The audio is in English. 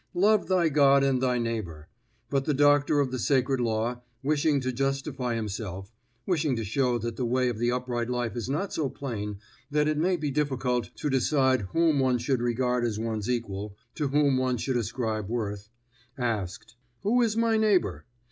Love thy God and thy neighbor. But the doctor of the sacred law, wishing to justify himself (wishing to show that the way of the upright life is not so plain, that it may be difficult to decide whom one should regard as one's equal, to whom one should ascribe worth), asked: Who is my neighbor?